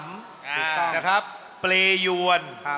นะครับเปรยวน